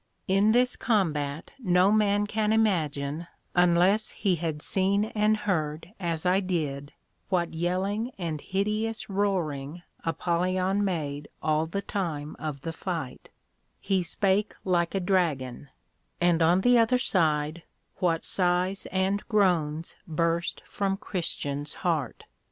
In this Combat no man can imagine, unless he had seen and heard as I did, what yelling and hideous roaring Apollyon made all the time of the fight, he spake like a Dragon; and on the other side, what sighs and groans burst from Christian's heart.